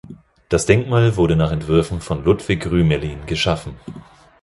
Das Denkmal wurde nach Entwürfen von Ludwig Rümelin geschaffen.